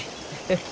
フフ。